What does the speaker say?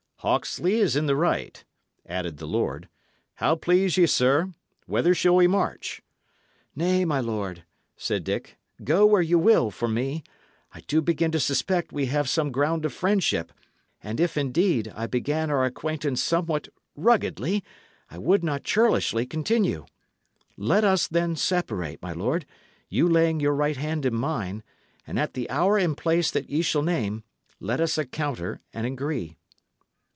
"Hawksley is in the right," added the lord. "How please ye, sir? Whither shall we march?" "Nay, my lord," said Dick, "go where ye will for me. I do begin to suspect we have some ground of friendship, and if, indeed, I began our acquaintance somewhat ruggedly, I would not churlishly continue. Let us, then, separate, my lord, you laying your right hand in mine; and at the hour and place that ye shall name, let us encounter and agree."